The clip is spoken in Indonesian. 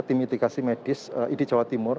tim mitigasi medis idi jawa timur